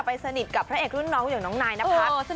สนิทกับพระเอกรุ่นน้องอย่างน้องนายนพัฒน์